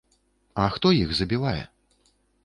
А хто іх забівае?